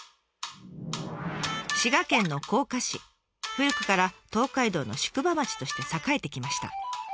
古くから東海道の宿場町として栄えてきました。